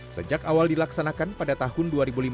sejak awal dilaksanakan pada tahun dua ribu lima belas